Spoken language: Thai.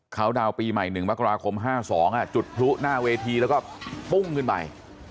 เขาดาวน์ปีใหม่๑มกราคม๕๒จุดพลุหน้าเวทีแล้วก็ปุ้งขึ้นไป